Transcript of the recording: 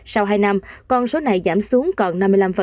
sau hai năm con số này giảm xuống còn năm mươi năm